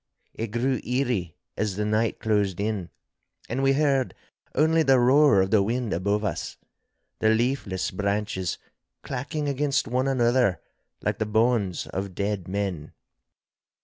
It grew eerie as the night closed in, and we heard only the roar of the wind above us, the leafless branches clacking against one another like the bones of dead men.